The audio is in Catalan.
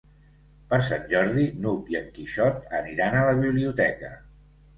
Per Sant Jordi n'Hug i en Quixot aniran a la biblioteca.